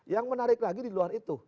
yang menarik lagi di luar itu